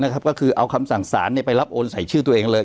ก็คือเอาคำสั่งสารไปรับโอนใส่ชื่อตัวเองเลย